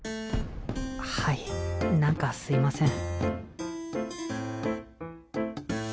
はいなんかすいません。